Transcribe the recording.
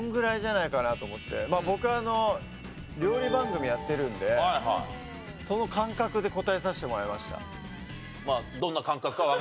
僕料理番組やってるんでその感覚で答えさせてもらいました。